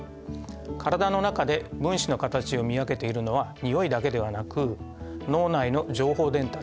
からだの中で分子の形を見分けているのはにおいだけではなく脳内の情報伝達